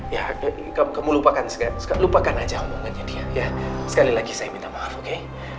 ya kamu lupakan sekali lupakan aja omongannya dia ya sekali lagi saya minta maaf oke